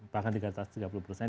bahkan di atas tiga puluh persen